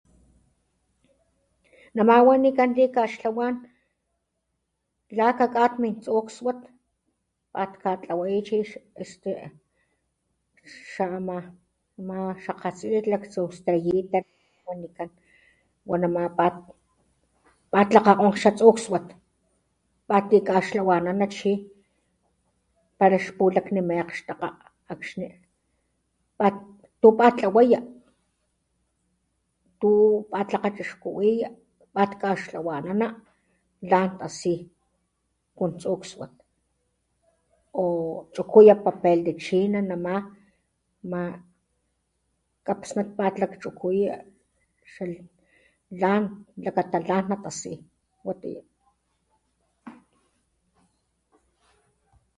Nama wanikan likaxtlawan la kakgat min aktsuswat pat katlawaya chi xa ama takgoxne stakgu pat lakgagonxa txuxwat pat likaxtlahuanana chi pala xpulakgni min agktakga axni tu pat tlawaya tu pat lakgachixkuwiya pat kastlawanana tlan tasi con tsuxswat o chukuya papel de china nama ama kapsnat pat lakchukuya xlakgata lan na tasi.